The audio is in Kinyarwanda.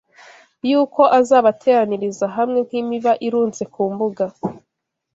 yuko azabateraniriza hamwe nk’imiba irunze ku mbuga